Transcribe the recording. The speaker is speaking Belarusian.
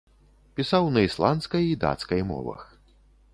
Пісаў на ісландскай і дацкай мовах.